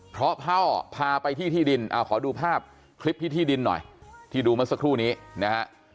เพราะพ่อพาไปที่ที่ดินขอดูภาพคลิปที่ที่ดินหน่อยที่ดูเมื่อสักครู่นี้นะฮะ